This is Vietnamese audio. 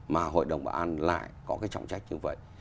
mà hội đồng bảo an lại có cái trọng trách như vậy